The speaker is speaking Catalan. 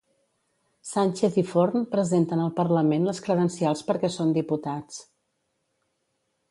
Sànchez i Forn presenten al parlament les credencials perquè són diputats.